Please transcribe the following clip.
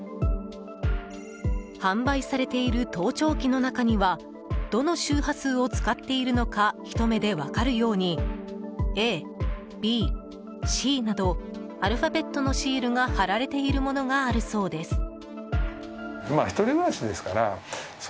販売されている盗聴器の中にはどの周波数を使っているのかひと目で分かるようにＡ、Ｂ、Ｃなどアルファベットのシールが貼られているものがあるそうです。